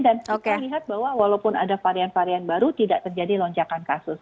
dan kita lihat bahwa walaupun ada varian varian baru tidak terjadi lonjakan kasus